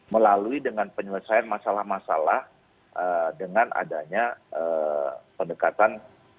melalui dengan penyelesaian masalah masalah dengan adanya pendekatan